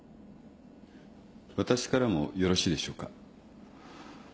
私からもよろしいでしょうか。